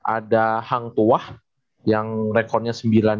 ada hang tuah yang rekornya sembilan puluh delapan